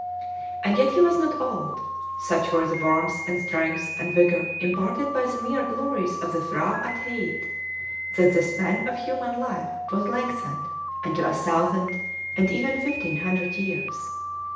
And yet he was not old; such were the warmth and strength and vigor imparted by the near glories of the P'hra Atheitt, that the span of human life was lengthened unto a thousand, and even fifteen hundred years.